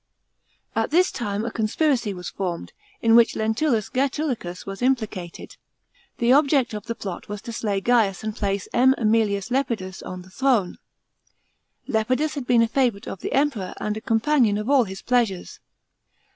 * At this time a conspiracy was formed, in which Lentulus Gsetulicus was implicated. The object of the plot was to slay Gaius and place M. .ZEmilius Lepidus on the throne. Lepidus had been a favourite of the Emperor and a companion of all his pleasures.